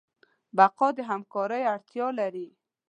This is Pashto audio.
بقا د همکارۍ اړتیا لري.